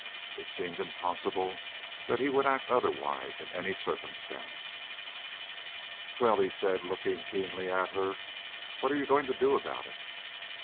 It seemed impossible that he would act otherwise in any circumstance. "Well?" he said, looking keenly at her. "What are you going to do about it?"